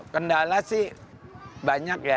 kendala sih banyak ya